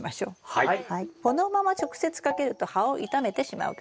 はい。